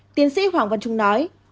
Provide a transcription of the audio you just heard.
tiến sĩ hoàng văn trung nói